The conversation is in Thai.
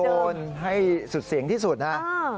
โอนให้สุดเสียงที่สุดนะ